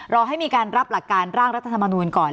รอให้มีการรับหลักการร่างรัฐธรรมนูลก่อน